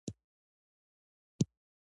زه د ژوند هره ورځ په خوشحالۍ تېروم.